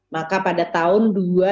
maka pada tahun dua ribu dua puluh